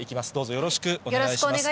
よろしくお願いします。